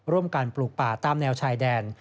ร่วมกันปลูกป่าตามแนวชายแดน